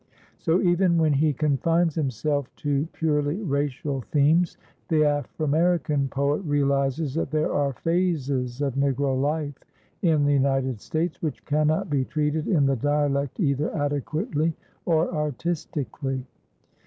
So even when he confines himself to purely racial themes, the Aframerican poet realizes that there are phases of Negro life in the United States which cannot be treated in the dialect either adequately or artistically.